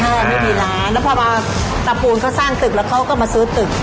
ไม่มีร้านแล้วพอมาตระปูนเขาสร้างตึกแล้วเขาก็มาซื้อตึก